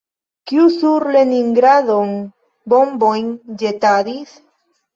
Kiu sur Leningradon bombojn ĵetadis?